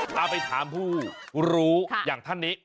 พาไปถามผู้รู้อย่างท่านนี้